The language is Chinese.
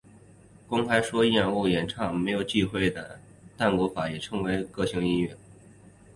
公开说厌恶演歌没有忌惮的淡谷法子也称赞了那个音乐性。